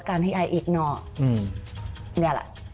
การที่ไออิกนอร์